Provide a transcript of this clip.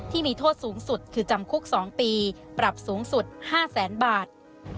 ที่มีโทษสูงสุดคือจำคุก๒ปีปรับสูงสุด๕แสนบาท